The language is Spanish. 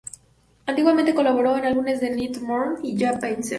Antiguamente, colaboró en álbumes de Nevermore y Jag Panzer.